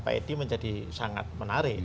pak edi menjadi sangat menarik